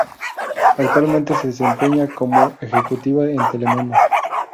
Actualmente se desempeña como ejecutiva en Telemundo.